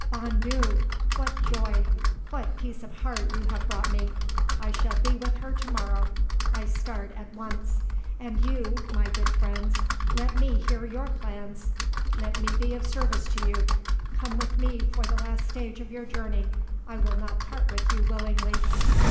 Bon Dieu! what joy! What peace of heart you have brought me! I shall be with her to morrow. I start at once. And you, my good friends, let me hear your plans. Let me be of service to you. Come with me for the last stage of your journey. I will not part with you willingly."